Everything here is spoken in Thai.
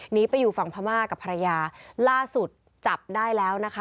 หนีไปอยู่ฝั่งพม่ากับภรรยาล่าสุดจับได้แล้วนะคะ